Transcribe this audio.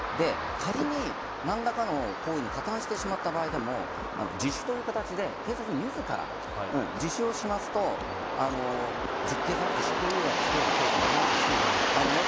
仮に何らかの行為に加担してしまった場合でも自首という形で警察に自ら自首すると実刑じゃなくて執行猶予がつく可能性もあります。